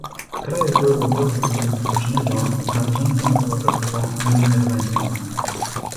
W krajach byłego bloku komunistycznego nadrzędna była zasada nieinterwencji